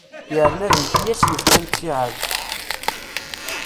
Yerna d nekk i as-yefkan ttiɛad.